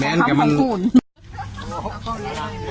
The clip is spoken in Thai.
สวัสดีครับทุกคน